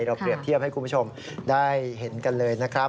เปรียบเทียบให้คุณผู้ชมได้เห็นกันเลยนะครับ